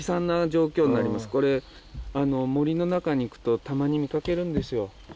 これ森の中に行くとたまに見掛けるんですよ。